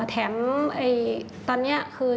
แถมตอนนี้คือ